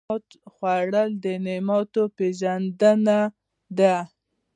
خوړل د نعماتو پېژندنه ده